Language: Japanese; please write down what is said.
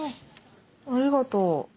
ありがとう。